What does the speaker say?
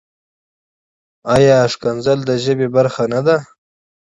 ایا کنځل د ژبې برخه نۀ ده؟